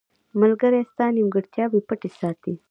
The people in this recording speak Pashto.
• ملګری ستا نیمګړتیاوې پټې ساتي.